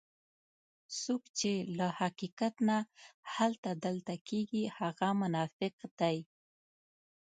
څوک چې له حقیقت نه هلته دلته کېږي هغه منافق دی.